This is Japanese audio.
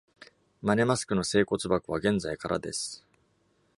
マネマスクの聖骨箱は現在空です。